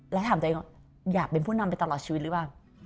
แล้วถามตัวเองว่าอยากเป็นผู้นำไปตลอดชีวิตหรือเปล่า